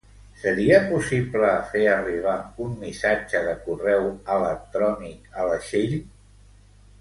Seria possible fer arribar un missatge de correu electrònic a la Txell?